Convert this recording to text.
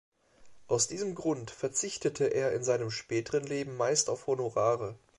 Aus diesem Grund verzichtete er in seinem späteren Leben meist auf Honorare.